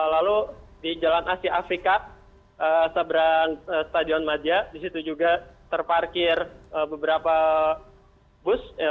lalu di jalan asia afrika seberang stadion maja di situ juga terparkir beberapa bus